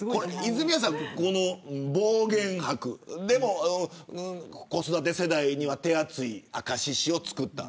泉谷さん、この暴言を吐くでも、子育て世代には手厚い明石市をつくった。